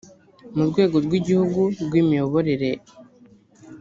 mu rwego rw’igihugu rw’imiyoborere